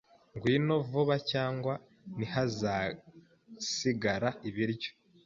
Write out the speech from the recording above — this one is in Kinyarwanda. Ngwino vuba cyangwa ntihazasigara ibiryo.